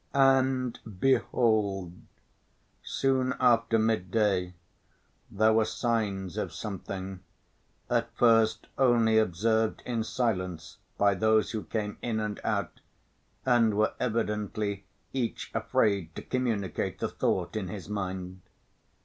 And, behold, soon after midday there were signs of something, at first only observed in silence by those who came in and out and were evidently each afraid to communicate the thought in his mind.